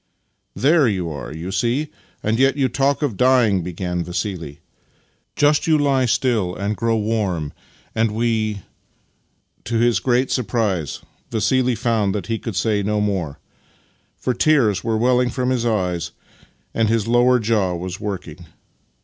" There you are, you see, and yet you talk of dying! " began Vassili. " Just you lie still and grow warm, and we —" To his great surprise Vassili found that he could say no more, for tears were welling from his eyes and his lower jaw was working.